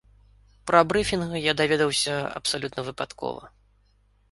Пра брыфінг я даведалася абсалютна выпадкова.